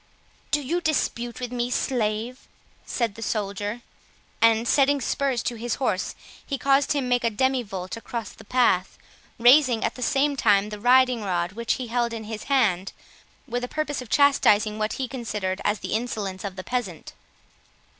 "Do you dispute with me, slave!" said the soldier; and, setting spurs to his horse, he caused him make a demivolte across the path, raising at the same time the riding rod which he held in his hand, with a purpose of chastising what he considered as the insolence of the peasant.